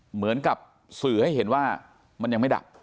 เหมือนกับสื่อให้เห็นว่ามันยังไม่ดับ